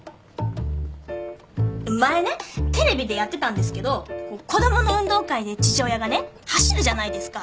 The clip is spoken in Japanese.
前ねテレビでやってたんですけど子供の運動会で父親がね走るじゃないですか。